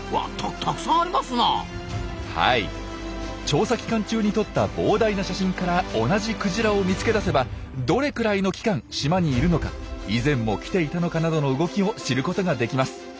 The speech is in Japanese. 調査期間中に撮った膨大な写真から同じクジラを見つけ出せばどれくらいの期間島にいるのか以前も来ていたのかなどの動きを知ることができます。